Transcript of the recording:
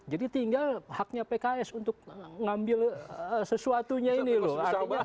jadi tinggal haknya pks untuk mengambil sesuatunya ini loh